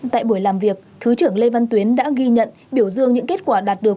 tại buổi làm việc thứ trưởng lê văn tuyến đã ghi nhận biểu dương những kết quả đạt được